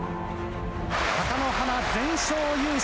貴乃花全勝優勝！